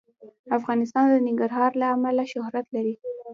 افغانستان د ننګرهار له امله شهرت لري.